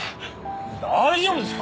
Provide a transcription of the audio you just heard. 大丈夫ですか？